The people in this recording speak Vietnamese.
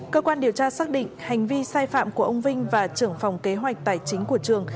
cơ quan điều tra xác định hành vi sai phạm của ông vinh và trưởng phòng kế hoạch tài chính của trường